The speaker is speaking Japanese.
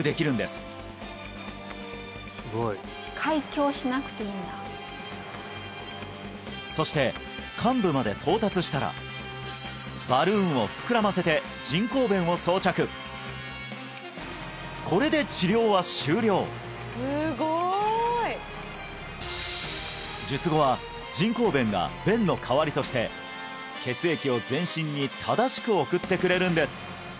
すごい開胸しなくていいんだそして患部まで到達したらこれで治療は終了術後は人工弁が弁の代わりとして血液を全身に正しく送ってくれるんです